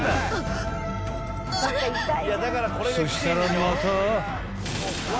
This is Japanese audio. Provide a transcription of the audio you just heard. ［そしたらまた］